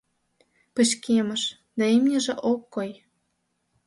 Пычкемыш, да имньыже ок кой.